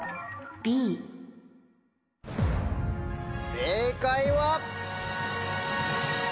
正解は？